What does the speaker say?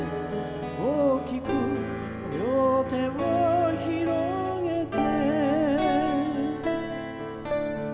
「大きく両手を拡げて」